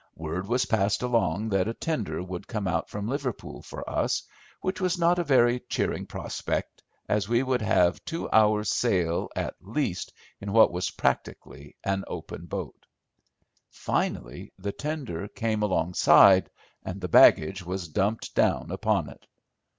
Word was passed along that a tender would come out from Liverpool for us, which was not a very cheering prospect, as we would have two hours' sail at least in what was practically an open boat. Finally the tender came alongside, and the baggage was dumped down upon it.